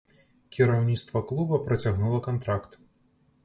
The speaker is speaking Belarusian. Кіраўніцтва клуба працягнула кантракт.